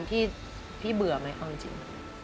ที่เบื่อไหมเขาจริง